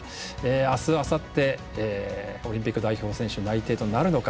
明日、あさってオリンピック代表選手内定となるのか。